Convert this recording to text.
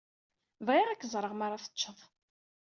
Bɣiɣ ad k-ẓreɣ mi ara t-teččeḍ.